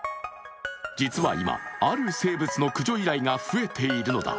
実は今、ある生物の駆除依頼が増えているというのだ。